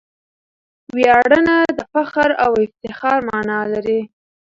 ویاړنه دفخر او افتخار مانا لري.